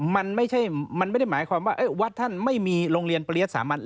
มันไม่ใช่ไหมความว่าวัดท่านไม่มีโรงเรียนปริยัติสามัญ